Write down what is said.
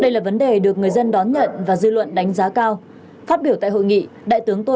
đây là vấn đề được người dân đón nhận và dư luận đánh giá cao